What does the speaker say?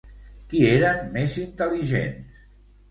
Qui eren més intel·ligents?